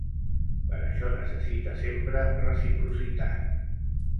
Però això necessita sempre reciprocitat.